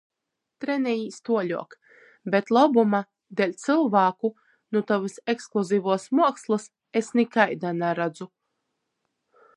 Trenejīs tuoļuok, bet lobuma deļ cylvāku nu tovys ekskluzivuos muokslys es nikaida naradzu.